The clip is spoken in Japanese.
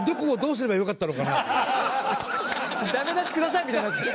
「ダメ出しください」みたいになってる。